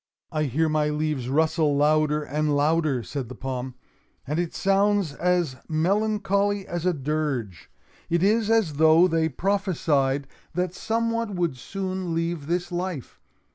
"I hear my leaves rustle louder and louder," said the palm, "and it sounds as melancholy as a dirge. It is as though they prophesied that some one would soon leave this life.